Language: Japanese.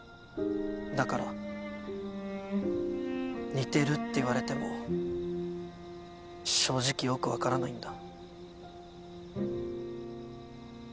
だから似てるって言われても正直よく分からないんだ。